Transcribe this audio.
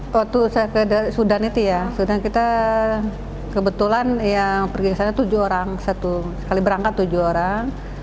waktu saya ke sudan itu ya kebetulan pergi ke sana tujuh orang sekali berangkat tujuh orang